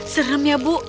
serem ya bu